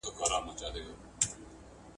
زرغونه